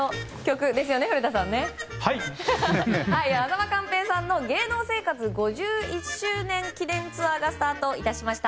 間寛平さんの芸能生活５１周年記念ツアーがスタート致しました。